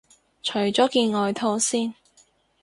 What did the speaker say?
除咗件外套先